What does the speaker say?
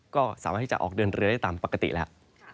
ก็จะมีการแผ่ลงมาแตะบ้างนะครับ